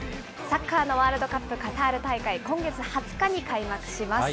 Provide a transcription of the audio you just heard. サッカーのワールドカップカタール大会、今月２０日に開幕します。